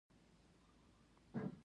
نور د اډې خواته را ورسیدلو.